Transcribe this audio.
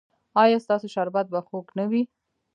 ایا ستاسو شربت به خوږ نه وي؟